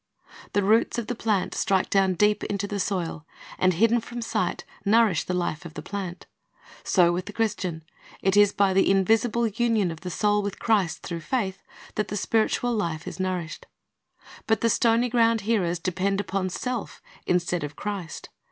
The roots of the plant strike down deep into the soil, and hidden from sight nourish the life of the plant. So with the Christian ; it is by the invisible union of the soul with Christ, through faith, that the spiritual life is nourished. But the stony ground hearers depend upon self instead of Christ.